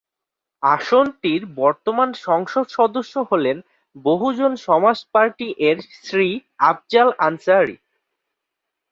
আসনটির বর্তমান সংসদ সদস্য হলেন বহুজন সমাজ পার্টি-এর শ্রী আফজাল আনসারী।